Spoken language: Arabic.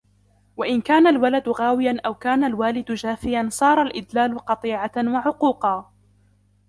وَإِنْ كَانَ الْوَلَدُ غَاوِيًا أَوْ كَانَ الْوَالِدُ جَافِيًا صَارَ الْإِدْلَالُ قَطِيعَةً وَعُقُوقًا